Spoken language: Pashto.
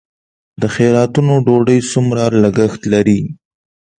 د خیراتونو ډوډۍ څومره لګښت لري؟